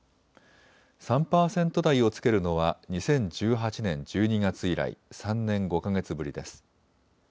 ３％台をつけるのは２０１８年１２月以来３年５か月ぶりです。